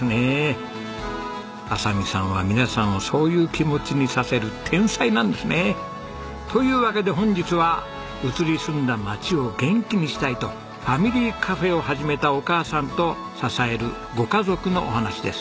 亜沙美さんは皆さんをそういう気持ちにさせる天才なんですね。というわけで本日は移り住んだ町を元気にしたいとファミリーカフェを始めたお母さんと支えるご家族のお話です。